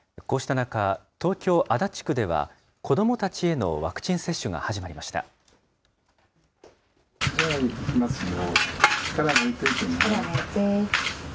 こうした中、東京・足立区では、子どもたちへのワクチン接種力抜いておいてね。